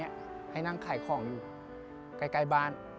ไปทำงานไม่ได้อย่างนี้ให้นั่งขายของอยู่ใกล้บ้าน